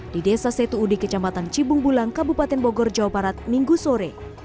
di desa setu udi kecamatan cibung bulang kabupaten bogor jawa barat minggu sore